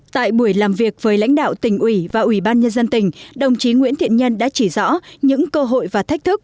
tại buổi làm việc với lãnh đạo tỉnh ủy và ủy ban nhân dân tỉnh đồng chí nguyễn thiện nhân đã chỉ rõ những cơ hội và thách thức